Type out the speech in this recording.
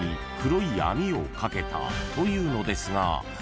［というのですが］